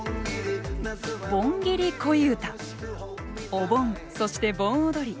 お盆そして盆踊り